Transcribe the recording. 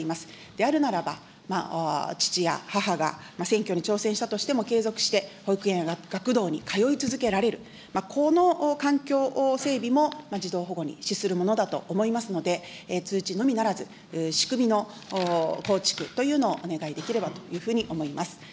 であるならば、父や母が選挙に挑戦したとしても、継続して保育園や学童に通い続けられる、この環境整備も、児童保護に資するものだと思いますので、通知のみならず、仕組みの構築というのをお願いできればというふうに思います。